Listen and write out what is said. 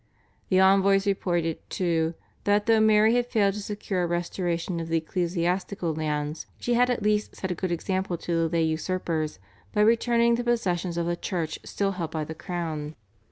The envoys reported, too, that though Mary had failed to secure a restoration of the ecclesiastical lands, she had at least set a good example to the lay usurpers by returning the possessions of the Church still held by the crown.